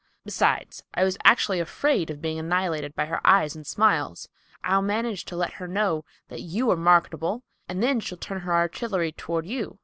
Besides, I was actually afraid of being annihilated by her eyes and smiles. I'll manage to let her know that you are marketable, and then she'll turn her artillery toward you."